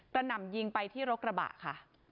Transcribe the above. หน่ำยิงไปที่รถกระบะค่ะ